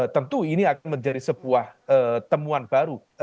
tentu ini akan menjadi sebuah temuan baru